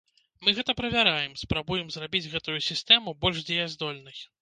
Мы гэта правяраем, спрабуем зрабіць гэтую сістэму больш дзеяздольнай.